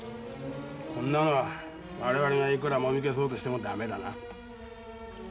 こんなのはわれわれがいくらもみ消そうとしても駄目だな。